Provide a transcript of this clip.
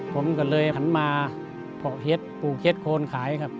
ผมก็เลยหันมาปลูเค็ตโครนขายครับ